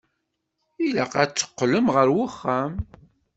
Ilaq ad teqqlem ar wexxam.